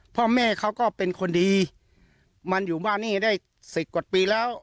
พ่อแม่เขาก็เป็นคนดีมันอยู่บ้านนี่ได้สิบกว่าปีแล้ว